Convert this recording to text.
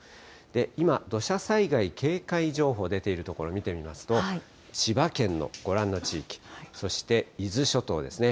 今、土砂災害警戒情報、出ている所を見てみますと、千葉県のご覧の地域、そして伊豆諸島ですね。